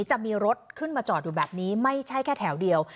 จะมีรถขึ้นมาจอดอยู่แบบนี้ไม่ใช่แค่แถวเดียว